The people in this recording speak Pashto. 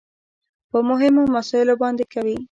په مهمو مسايلو باندې کوي .